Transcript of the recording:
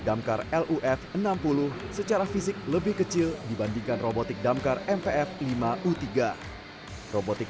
damkar luf enam puluh secara fisik lebih kecil dibandingkan robotik damkar mvf lima u tiga robotik